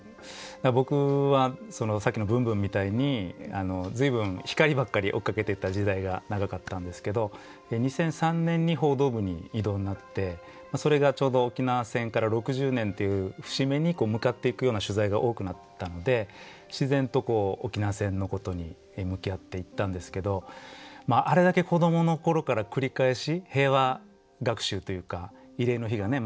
僕はさっきの「ＢＯＯＭＢＯＯＭ」みたいに随分光ばっかり追っかけてた時代が長かったんですけど２００３年に報道部に異動になってそれがちょうど沖縄戦から６０年という節目に向かっていくような取材が多くなったので自然とこう沖縄戦のことに向き合っていったんですけどあれだけ子どもの頃から繰り返し平和学習というか慰霊の日がね